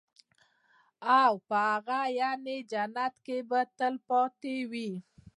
او په هغه يعني جنت كي به تل تلپاتي وي